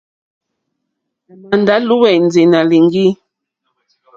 À mà ndá lùwɛ̀ndì nǎ líŋɡì.